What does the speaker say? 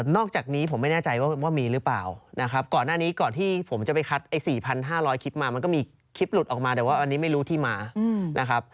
อกจากนี้ผมไม่แน่ใจว่ามีหรือเปล่านะครับก่อนหน้านี้ก่อนที่ผมจะไปคัดไอ้๔๕๐๐คลิปมามันก็มีคลิปหลุดออกมาแต่ว่าอันนี้ไม่รู้ที่มานะครับ